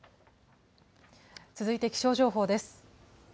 続いて、気象情報です。